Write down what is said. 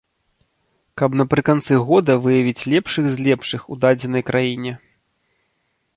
Каб напрыканцы года выявіць лепшых з лепшых у дадзенай краіне.